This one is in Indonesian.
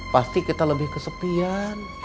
pasti kita lebih kesepian